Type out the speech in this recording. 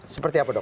seperti apa dok